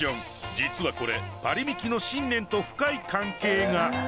実はこれパリミキの信念と深い関係が。